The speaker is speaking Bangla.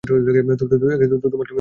তোমার কী মনে হয় এই জায়গাটা তার?